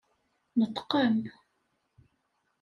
Neṭgem!